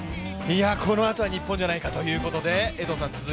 このあとは日本じゃないかということで。